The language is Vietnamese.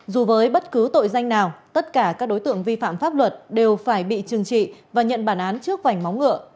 dù với bất cứ tội danh nào tất cả các đối tượng vi phạm pháp luật đều phải bị trừng trị và nhận bản án trước vành móng ngựa